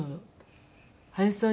「林さん